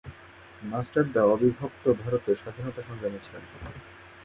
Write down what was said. মাস্টারদা অবিভক্ত ভারতের স্বাধীনতা সংগ্রামী ছিলেন।